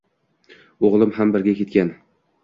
— O’g’lim ham birga ketgan.